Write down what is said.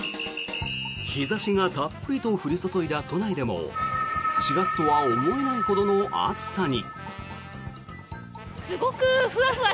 日差しがたっぷりと降り注いだ都内でも４月とは思えないほどの暑さに。